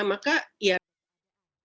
maka itu tidak bisa dibayangkan